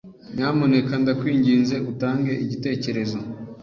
Nyamuneka ndakwinginze utange igitekerezo.